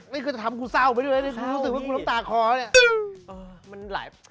ไม่ค่อยจะทำกูเศร้าไปด้วยเลยดูรู้สึกว่ากูต้องตากคอเนี่ย